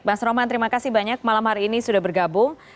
mas roman terima kasih banyak malam hari ini sudah bergabung